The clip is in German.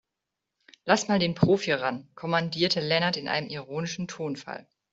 "Lass mal den Profi ran", kommandierte Lennart in einem ironischen Tonfall.